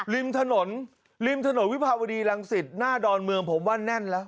ริมถนนริมถนนวิภาวดีรังสิตหน้าดอนเมืองผมว่าแน่นแล้ว